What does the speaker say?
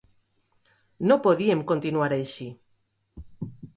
No podíem continuar així.